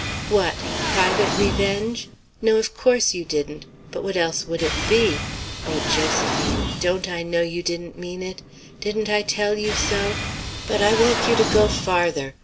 "What? private revenge? No, of course you didn't! But what else would it be? O Josephine! don't I know you didn't mean it? Didn't I tell you so? But I want you to go farther.